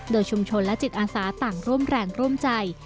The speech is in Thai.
โดยชุมชนและจิตอาสาต่างร่วมแรงร่วมใจ